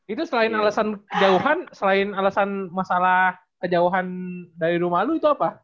itu selain alasan kejauhan selain alasan masalah kejauhan dari rumahlu itu apa